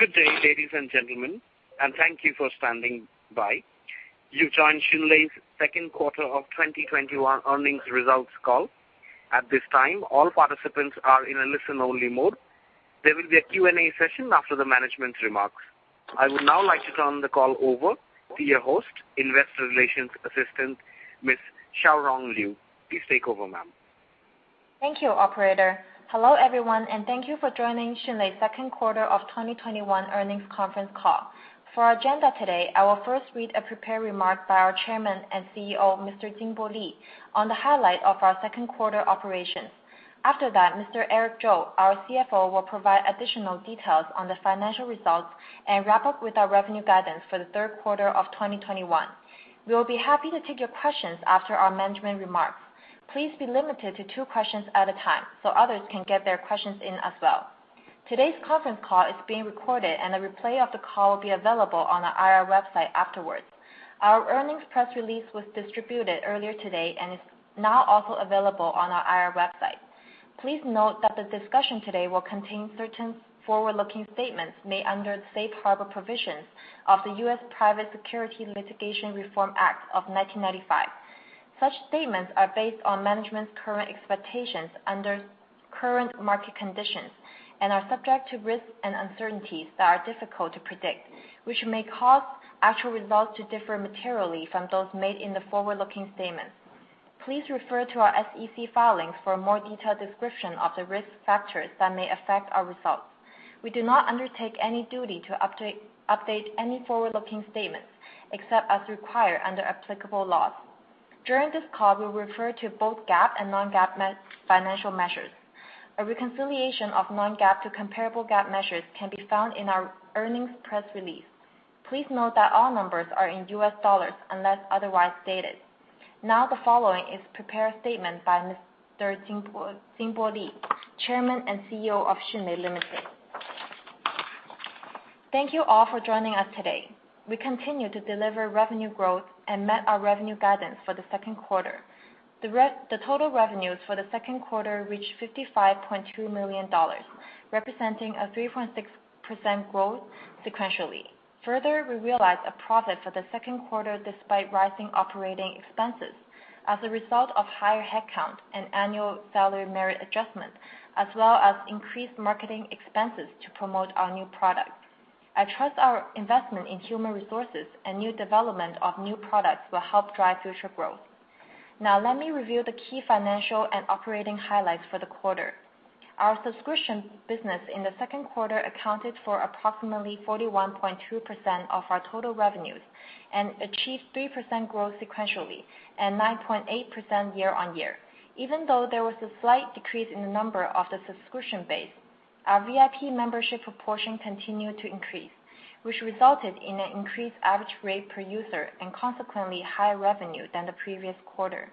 Good day, ladies and gentlemen, and thank you for standing by. You've joined Xunlei's Q2 2021 earnings results call. At this time, all participants are in a listen-only mode. There will be a Q&A session after the management remarks. I would now like to turn the call over to your host, investor relations assistant, Ms. Xiaorong Liu. Please take over, ma'am. Thank you, operator. Hello, everyone, and thank you for joining Xunlei's second quarter of 2021 earnings conference call. For our agenda today, I will first read a prepared remark by our Chairman and CEO, Mr. Jinbo Li, on the highlight of our second quarter operations. After that, Mr. Eric Zhou, our CFO, will provide additional details on the financial results and wrap up with our revenue guidance for the third quarter of 2021. We will be happy to take your questions after our management remarks. Please be limited to two questions at a time so others can get their questions in as well. Today's conference call is being recorded, and a replay of the call will be available on our IR website afterwards. Our earnings press release was distributed earlier today and is now also available on our IR website. Please note that the discussion today will contain certain forward-looking statements made under the Safe Harbor Provisions of the U.S. Private Securities Litigation Reform Act of 1995. Such statements are based on management's current expectations under current market conditions and are subject to risks and uncertainties that are difficult to predict, which may cause actual results to differ materially from those made in the forward-looking statements. Please refer to our SEC filings for a more detailed description of the risk factors that may affect our results. We do not undertake any duty to update any forward-looking statements, except as required under applicable laws. During this call, we'll refer to both GAAP and non-GAAP financial measures. A reconciliation of non-GAAP to comparable GAAP measures can be found in our earnings press release. Please note that all numbers are in US dollars unless otherwise stated. Now, the following is prepared statement by Mr. Jinbo Li, Chairman and CEO of Xunlei Limited. Thank you all for joining us today. We continue to deliver revenue growth and met our revenue guidance for the second quarter. The total revenues for the second quarter reached $55.2 million, representing a 3.6% growth sequentially. Further, we realized a profit for the second quarter despite rising operating expenses as a result of higher headcount and annual salary merit adjustment, as well as increased marketing expenses to promote our new product. I trust our investment in human resources and new development of new products will help drive future growth. Now, let me review the key financial and operating highlights for the quarter. Our subscription business in the second quarter accounted for approximately 41.2% of our total revenues and achieved 3% growth sequentially and 9.8% year-on-year. Even though there was a slight decrease in the number of the subscription base, our VIP membership proportion continued to increase, which resulted in an increased average rate per user and consequently higher revenue than the previous quarter.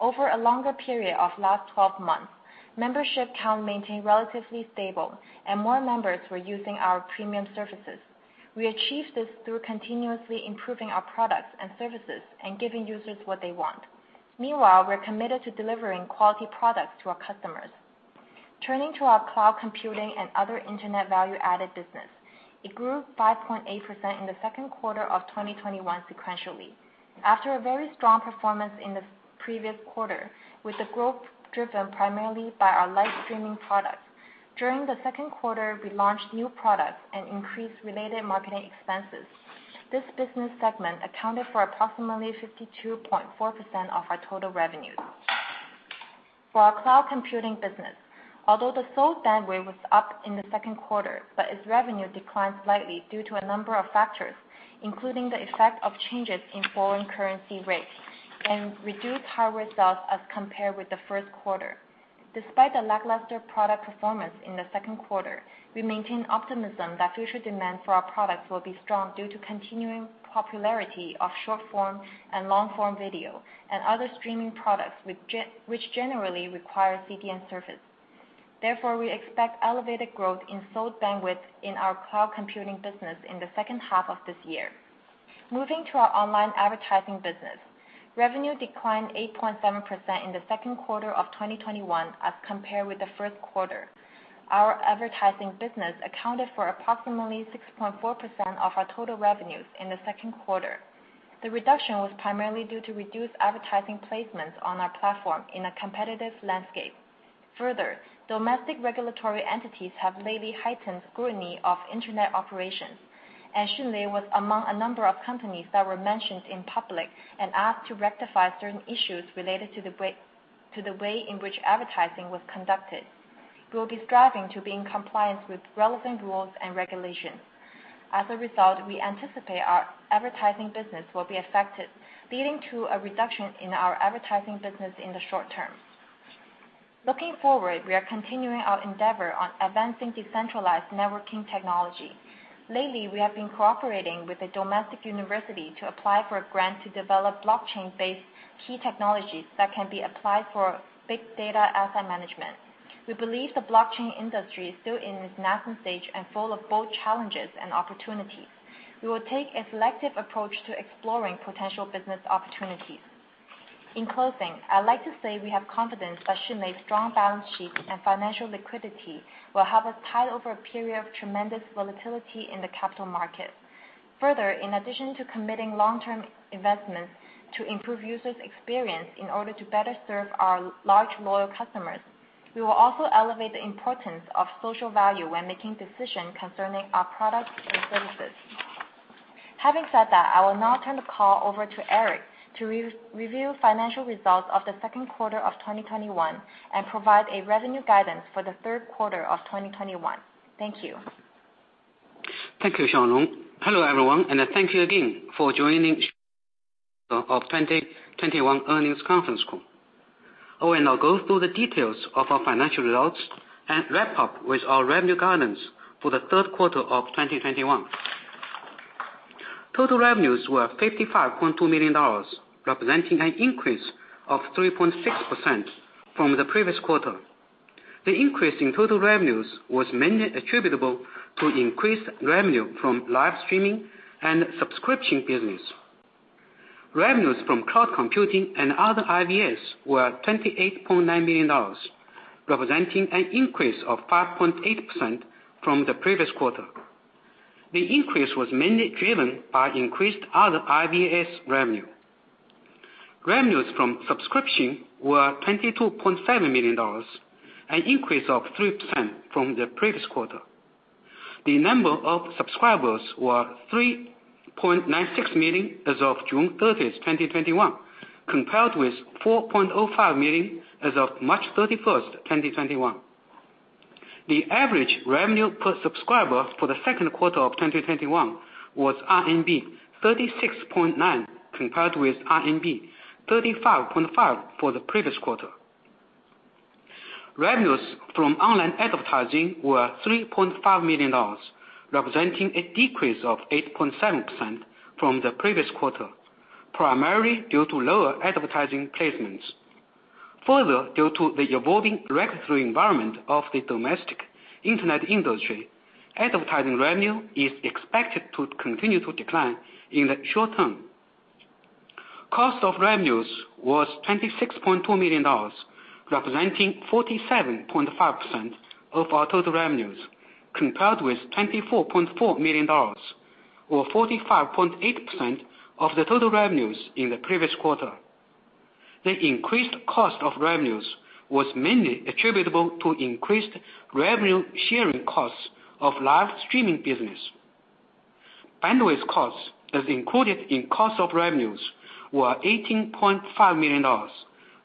Over a longer period of last 12 months, membership count maintained relatively stable and more members were using our premium services. We achieved this through continuously improving our products and services and giving users what they want. Meanwhile, we're committed to delivering quality products to our customers. Turning to our Cloud Computing and other Internet Value-Added Business. It grew 5.8% in the second quarter of 2021 sequentially. After a very strong performance in the previous quarter, with the growth driven primarily by our live streaming product. During the second quarter, we launched new products and increased related marketing expenses. This business segment accounted for approximately 52.4% of our total revenues. For our cloud computing business, although the sold bandwidth was up in the second quarter, its revenue declined slightly due to a number of factors, including the effect of changes in foreign currency rates and reduced power results as compared with the first quarter. Despite the lackluster product performance in the second quarter, we maintain optimism that future demand for our products will be strong due to continuing popularity of short-form and long-form video and other streaming products which generally require CDN service. Therefore, we expect elevated growth in sold bandwidth in our cloud computing business in the second half of this year. Moving to our online advertising business. Revenue declined 8.7% in the second quarter of 2021 as compared with the first quarter. Our advertising business accounted for approximately 6.4% of our total revenues in the second quarter. The reduction was primarily due to reduced advertising placements on our platform in a competitive landscape. Further, domestic regulatory entities have lately heightened scrutiny of internet operations, and Xunlei was among a number of companies that were mentioned in public and asked to rectify certain issues related to the way in which advertising was conducted. We will be striving to be in compliance with relevant rules and regulations. As a result, we anticipate our advertising business will be affected, leading to a reduction in our advertising business in the short term. Looking forward, we are continuing our endeavor on advancing decentralized networking technology. Lately, we have been cooperating with a domestic university to apply for a grant to develop blockchain-based key technologies that can be applied for big data asset management. We believe the blockchain industry is still in its nascent stage and full of both challenges and opportunities. We will take a selective approach to exploring potential business opportunities. In closing, I'd like to say we have confidence that Xunlei's strong balance sheet and financial liquidity will help us tide over a period of tremendous volatility in the capital market. Further, in addition to committing long-term investments to improve users' experience in order to better serve our large loyal customers, we will also elevate the importance of social value when making decisions concerning our products or services. Having said that, I will now turn the call over to Eric to review financial results of the second quarter of 2021 and provide a revenue guidance for the third quarter of 2021. Thank you. Thank you, Xiaorong. Hello, everyone, and thank you again for joining our 2021 earnings conference call. I will now go through the details of our financial results and wrap up with our revenue guidance for the third quarter of 2021. Total revenues were $55.2 million, representing an increase of 3.6% from the previous quarter. The increase in total revenues was mainly attributable to increased revenue from live streaming and subscription business. Revenues from cloud computing and other IVAS were $28.9 million, representing an increase of 5.8% from the previous quarter. The increase was mainly driven by increased other IVAS revenue. Revenues from subscription were $22.7 million, an increase of 3% from the previous quarter. The number of subscribers was 3.96 million as of June 30th, 2021, compared with 4.05 million as of March 31st, 2021. The average revenue per subscriber for the second quarter of 2021 was RMB 36.9 compared with RMB 35.5 for the previous quarter. Revenues from online advertising were $3.5 million, representing a decrease of 8.7% from the previous quarter, primarily due to lower advertising placements. Further, due to the evolving regulatory environment of the domestic internet industry, advertising revenue is expected to continue to decline in the short term. Cost of revenues was $26.2 million, representing 47.5% of our total revenues, compared with $24.4 million, or 45.8% of the total revenues in the previous quarter. The increased cost of revenues was mainly attributable to increased revenue sharing costs of live streaming business. Bandwidth costs, as included in cost of revenues, were $18.5 million,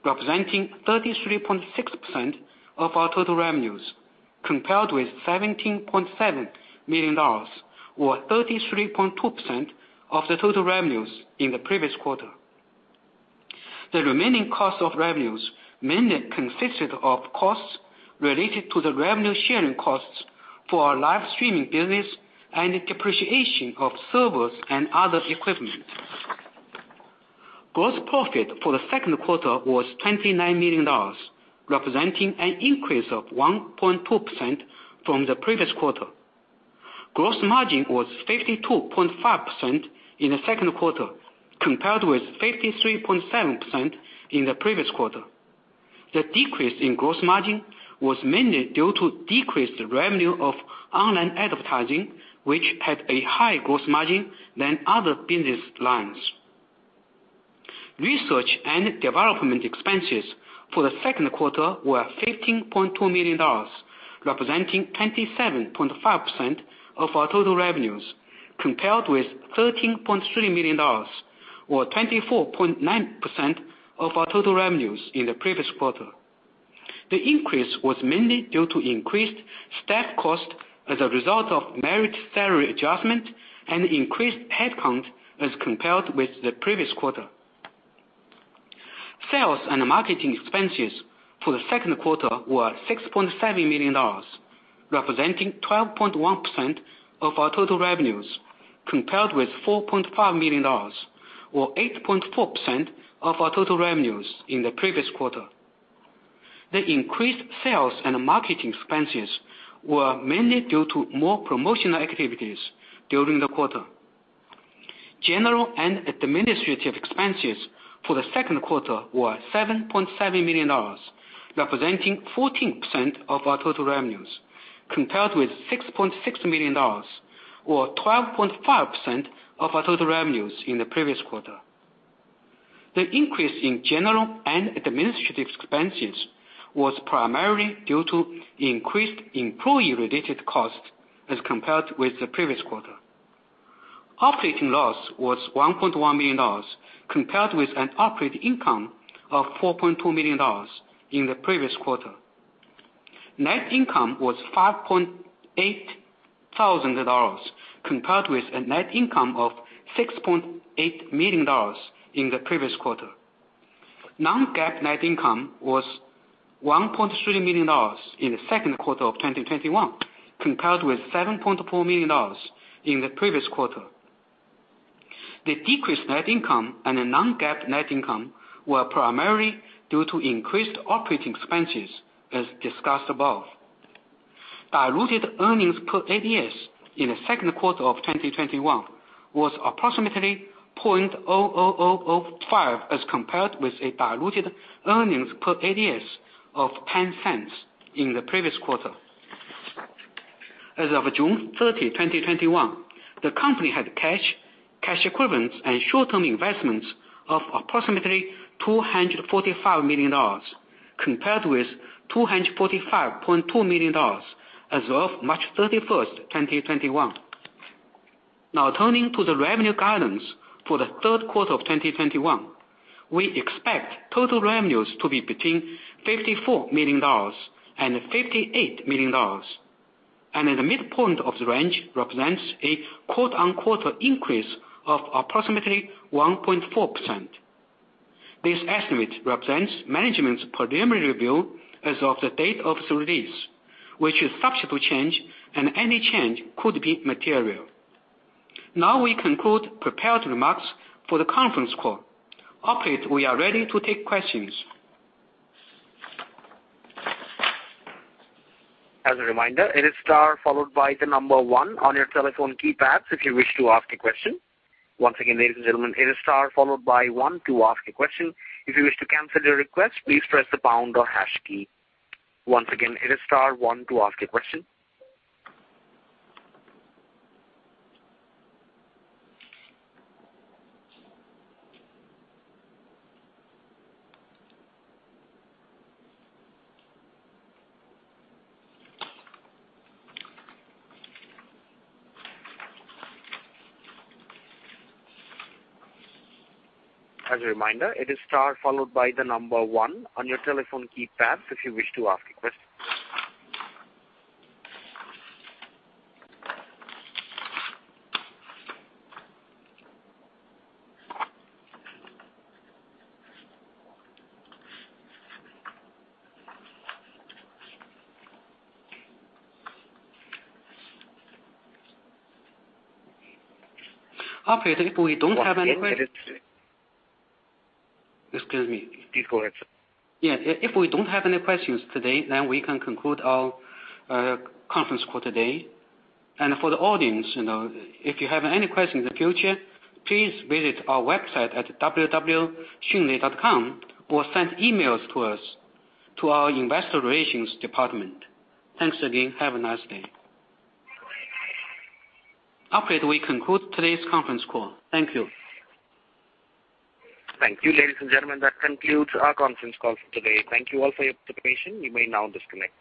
representing 33.6% of our total revenues, compared with $17.7 million or 33.2% of the total revenues in the previous quarter. The remaining cost of revenues mainly consisted of costs related to the revenue-sharing costs for our live streaming business and the depreciation of servers and other equipment. Gross profit for the second quarter was $29 million, representing an increase of 1.2% from the previous quarter. Gross margin was 52.5% in the second quarter, compared with 53.7% in the previous quarter. The decrease in gross margin was mainly due to decreased revenue of online advertising, which had a higher gross margin than other business lines. Research and development expenses for the second quarter were $15.2 million, representing 27.5% of our total revenues, compared with $13.3 million or 24.9% of our total revenues in the previous quarter. The increase was mainly due to increased staff cost as a result of merit salary adjustment and increased headcount as compared with the previous quarter. Sales and marketing expenses for the second quarter were $6.7 million, representing 12.1% of our total revenues, compared with $4.5 million or 8.4% of our total revenues in the previous quarter. The increased sales and marketing expenses were mainly due to more promotional activities during the quarter. General and administrative expenses for the second quarter were $7.7 million, representing 14% of our total revenues, compared with $6.6 million or 12.5% of our total revenues in the previous quarter. The increase in general and administrative expenses was primarily due to increased employee-related costs as compared with the previous quarter. Operating loss was $1.1 million, compared with an operating income of $4.2 million in the previous quarter. Net income was $5.8 thousand, compared with a net income of $6.8 million in the previous quarter. Non-GAAP net income was $1.3 million in the second quarter of 2021, compared with $7.4 million in the previous quarter. The decreased net income and the non-GAAP net income were primarily due to increased operating expenses, as discussed above. Diluted earnings per ADS in the second quarter of 2021 was approximately 0.00005 as compared with diluted earnings per ADS of $0.10 in the previous quarter. As of June 30th, 2021, the company had cash equivalents, and short-term investments of approximately $245 million, compared with $245.2 million as of March 31st, 2021. Now turning to the revenue guidance for the third quarter of 2021. We expect total revenues to be between $54 million and $58 million, and at the midpoint of the range represents a quote, unquote, "increase of approximately 1.4%." This estimate represents management's preliminary view as of the date of this release, which is subject to change, and any change could be material. Now we conclude prepared remarks for the conference call. Operator, we are ready to take questions. As a reminder, it is star followed by the number one on your telephone keypads if you wish to ask a question. Once again, ladies and gentlemen, it is star followed by one to ask a question. If you wish to cancel your request, please press the pound or hash key. Once again, it is star one to ask a question. As a reminder, it is star followed by the number one on your telephone keypads if you wish to ask a question. Operator, if we don't have any. One Excuse me. Before I start. Yeah. If we don't have any questions today, we can conclude our conference call today. For the audience, if you have any questions in the future, please visit our website at www.xunlei.com or send emails to us, to our investor relations department. Thanks again. Have a nice day. Operator, we conclude today's conference call. Thank you. Thank you, ladies and gentlemen. That concludes our conference call for today. Thank you all for your participation. You may now disconnect.